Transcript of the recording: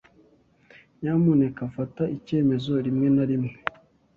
Nyamuneka fata icyemezo rimwe na rimwe.